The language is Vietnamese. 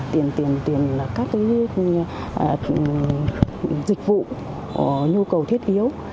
tiền các cái dịch vụ nhu cầu thiết yếu